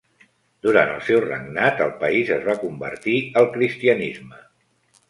Durant el seu regnat el país es va convertir al cristianisme.